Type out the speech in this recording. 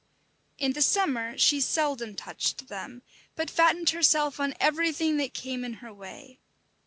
In the summer she seldom touched them, but fattened herself on everything that came in her way.